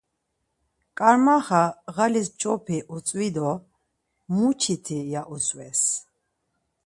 Ǩarmaxa ğalis p̌ç̌opi utzvi do muçiti ya utzves.